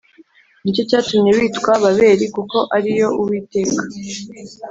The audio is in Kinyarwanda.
Ni cyo cyatumye witwa Babeli kuko ari yo Uwiteka